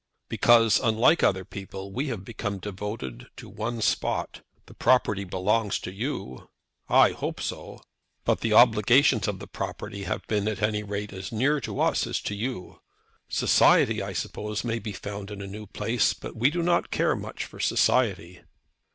"Because, unlike other people, we have become devoted to one spot. The property belongs to you." "I hope so." "But the obligations of the property have been, at any rate, as near to us as to you. Society, I suppose, may be found in a new place, but we do not care much for society."